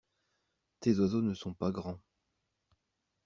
Tes oiseaux ne sont pas grands.